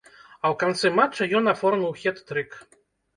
А ў канцы матча ён аформіў хет-трык.